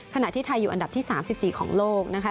ขณะที่ไทยอยู่อันดับที่๓๔ของโลกนะคะ